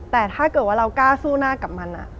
แต่ถ้าเกิดว่าเรากล้าสู้หน้ากับมัน